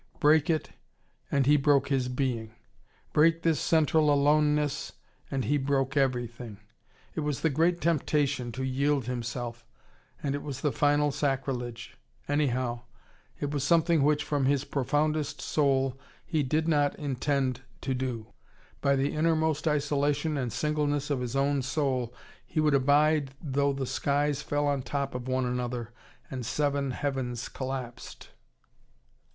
Break it, and he broke his being. Break this central aloneness, and he broke everything. It was the great temptation, to yield himself: and it was the final sacrilege. Anyhow, it was something which, from his profoundest soul, he did not intend to do. By the innermost isolation and singleness of his own soul he would abide though the skies fell on top of one another, and seven heavens collapsed.